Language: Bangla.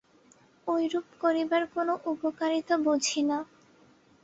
ঐরূপ করিবার কোন উপকারিতা বুঝি না।